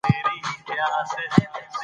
تاسي باید خپل پوسټونه په سمه توګه وڅارئ.